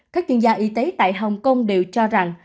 các chuyên gia y tế tại hồng kông đều cho rằng